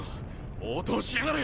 応答しやがれ！